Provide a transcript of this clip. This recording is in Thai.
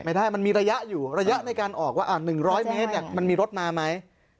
ไม่ได้มันมีระยะอยู่ระยะในการออกว่า๑๐๐เมตรมันมีรถมาไหม